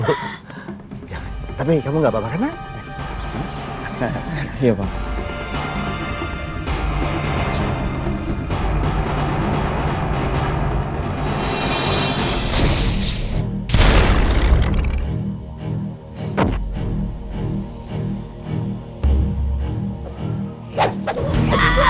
mardian sudah kangen sama farida iya betul bu